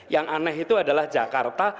yang aneh adalah jakarta